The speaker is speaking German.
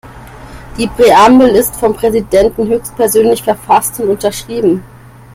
Die Präambel ist vom Präsidenten höchstpersönlich verfasst und unterschrieben.